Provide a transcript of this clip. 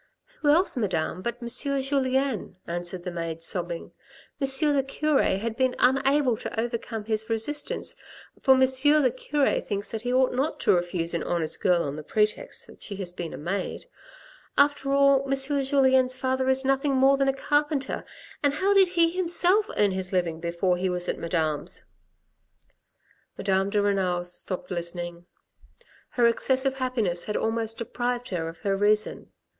" Who else, Madame, but M. Julien," answered the maid sobbing. " M. the cure had been unable to overcome his resistance, for M. the cure thinks that he ought not to refuse an honest girl on the pretext that she has been a maid. After LITTLE EPISODS 49 all, M. Julien's father is nothing more than a carpenter, and how did he himself earn his living before he was at Madame's ?" Madame de Rena stopped listening ; her excessive happiness had almost deprived her of her reason.